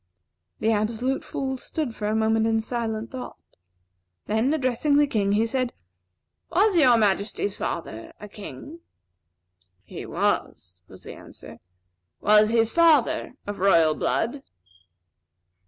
The Absolute Fool stood for a moment in silent thought; then, addressing the King, he said: "Was Your Majesty's father a king?" "He was," was the answer. "Was his father of royal blood?"